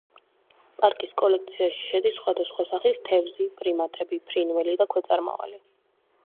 პარკის კოლექციაში შედის სხვადასხვა სახის თევზი, პრიმატები, ფრინველი და ქვეწარმავალი.